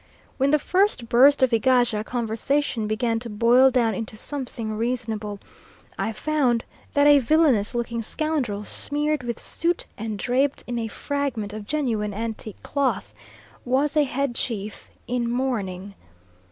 When the first burst of Egaja conversation began to boil down into something reasonable, I found that a villainous looking scoundrel, smeared with soot and draped in a fragment of genuine antique cloth, was a head chief in mourning.